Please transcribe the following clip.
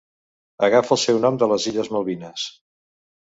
Agafa el seu nom de les Illes Malvines.